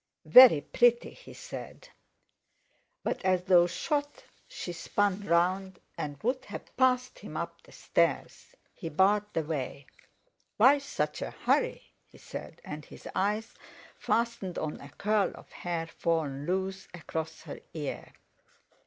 "Very pretty!" he said. But as though shot she spun round, and would have passed him up the stairs. He barred the way. "Why such a hurry?" he said, and his eyes fastened on a curl of hair fallen loose across her ear....